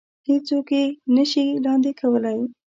هېڅ څوک يې نه شي لاندې کولی.